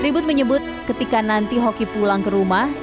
ribut menyebut ketika nanti hoki pulang ke rumah